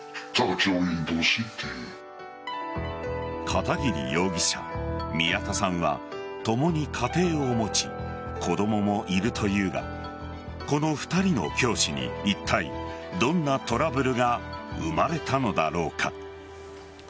片桐容疑者、宮田さんは共に家庭を持ち子供もいるというがこの２人の教師にいったい、どんなトラブルが生まれたのだろうか。